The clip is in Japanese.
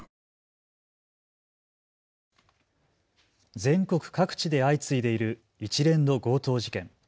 全国各地で相次いでいる一連の強盗事件。